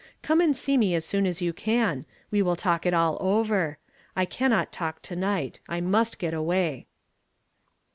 Come and see me as soon as you can ; we will talk it all over. I cannot talk to night. I must get away."